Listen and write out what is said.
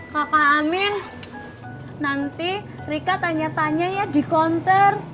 kakak amin nanti rika tanya tanya ya di counter